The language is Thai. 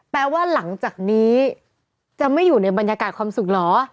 แปลว่าหลังจากนี้จะไม่อยู่ในบรรยากาศความสุขเหรอ